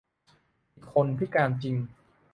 มีคนพิการจริง